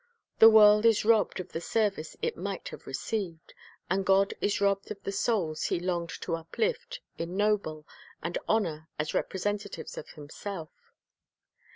The world is robbed of the service it might have received; and God is robbed of the souls lie longed to uplift, ennoble, and honor as representatives of Himself.